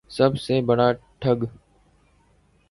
سب سے بڑا ٹھگ